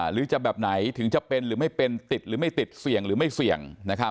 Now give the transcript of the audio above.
หรือจะแบบไหนถึงจะเป็นหรือไม่เป็นติดหรือไม่ติดเสี่ยงหรือไม่เสี่ยง